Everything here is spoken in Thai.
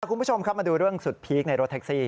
คุณผู้ชมครับมาดูเรื่องสุดพีคในรถแท็กซี่